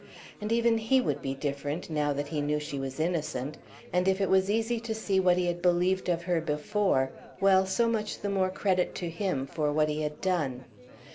And even he would be different now that he knew she was innocent; and if it was easy to see what he had believed of her before, well, so much the more credit to him for what he had done.